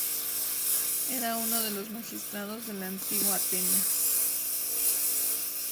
Era uno de los magistrados de la Antigua Atenas.